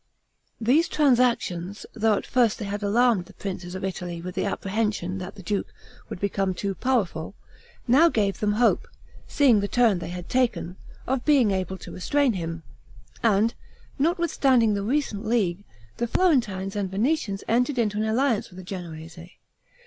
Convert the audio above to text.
These transactions, though at first they had alarmed the princes of Italy with the apprehension that the duke would become too powerful, now gave them hope, seeing the turn they had taken, of being able to restrain him; and, notwithstanding the recent league, the Florentines and Venetians entered into alliance with the Genoese.